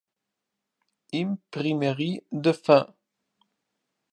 Imprimerie de Fain.